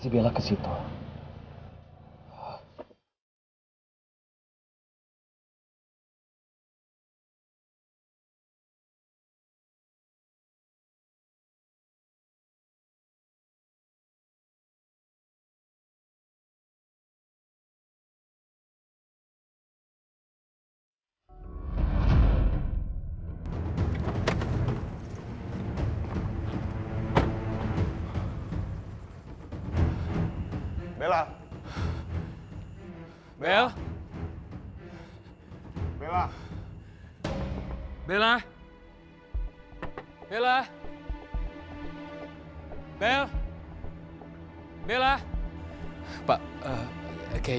bella kayu saya di bawah kubur